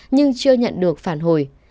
nhưng chưa nhận được phản hồi